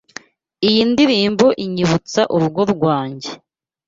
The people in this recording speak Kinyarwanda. Iyo ndirimbo inyibutsa urugo rwanjye.